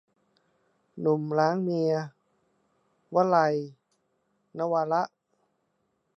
หนุ่มร้างเมีย - วลัย นวาระ